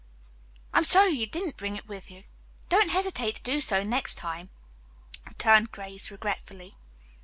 "I'm sorry you didn't bring it with you. Don't hesitate to do so next time," returned Grace regretfully.